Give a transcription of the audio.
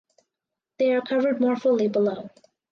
They are covered more fully below.